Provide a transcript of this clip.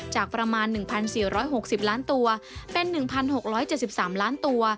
จากประมาณ๑๔๖๐ล้านตัวเป็น๑๖๗๓ล้านตัว